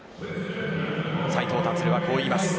斉藤立はこう言います。